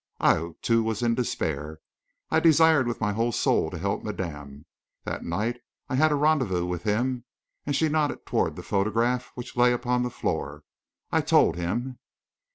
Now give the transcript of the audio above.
I, too, was in despair I desired with my whole soul to help madame. That night I had a rendezvous with him," and she nodded toward the photograph which lay upon the floor. "I told him."